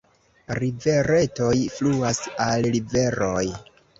Riveretoj fluas al riveroj.